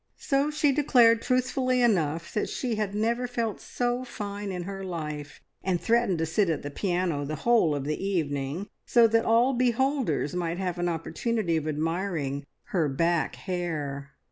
So she declared truthfully enough that she had never felt so fine in her life, and threatened to sit at the piano the whole of the evening, so that all beholders might have an opportunity of admiring her "back hair."